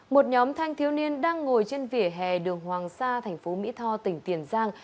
một nhóm thanh thiếu niên đang ngồi trên vỉa hè đường hoàng sa tp mỹ tho tỉnh tiền giang